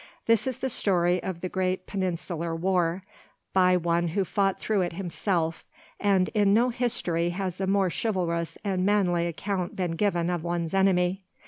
This is the story of the great Peninsular War, by one who fought through it himself, and in no history has a more chivalrous and manly account been given of one's enemy.